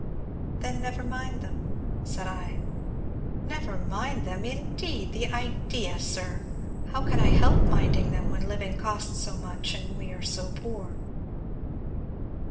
"Then never mind them," said I. "Never mind them, indeed the idea, Sir! How can I help minding them when living costs so much and we so poor?"